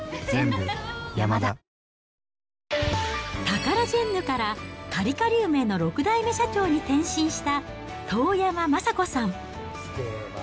タカラジェンヌから、カリカリ梅の６代目社長に転身した、遠山昌子さん。